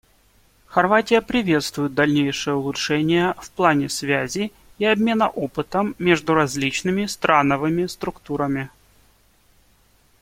Хорватия приветствует дальнейшие улучшения в плане связи и обмена опытом между различными страновыми структурами.